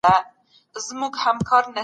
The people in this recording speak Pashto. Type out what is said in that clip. تاریخي مطالعه د انسان لپاره ډېره مهمه ده.